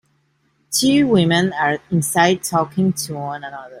Two women are inside talking to one another.